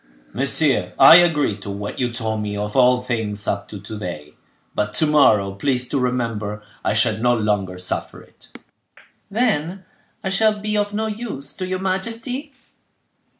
"Monsieur, I agree to what you told me of all things up to to day; but to morrow, please to remember, I shall no longer suffer it." "Then I shall be of no use to your majesty?"